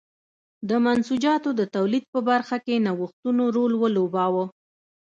د منسوجاتو د تولید په برخه کې نوښتونو رول ولوباوه.